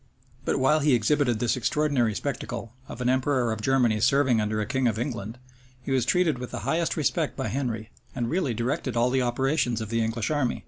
But while he exhibited this extraordinary spectacle, of an emperor of Germany serving under a king of England, he was treated with the highest respect by Henry, and really directed all the operations of the English army.